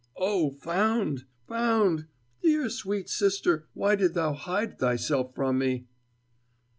Oh, found! found! dear, sweet sister, why didst thou hide thyself from me?"